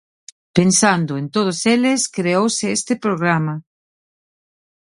Pensando en todos eles creouse este programa.